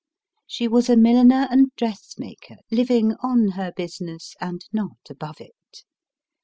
She was a milliner and dressmaker, living on her business and not above it.